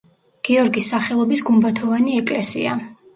გიორგის სახელობის გუმბათოვანი ეკლესია.